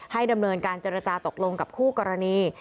ดำเนินการเจรจาตกลงกับคู่กรณี